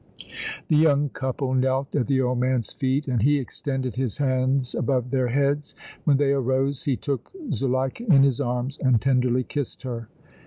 The young couple knelt at the old man's feet and he extended his hands above their heads. When they arose he took Zuleika in his arms and tenderly kissed her.